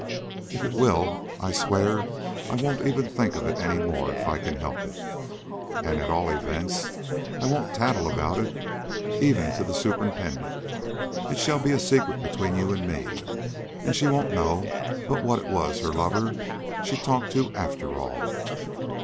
If it will, I swear I won't even think of it any more if I can help it. At all events, I won't tattle about it even to the superintendent. It shall be a secret between you and me, and she won't know but what it was her lover she talked to, after all."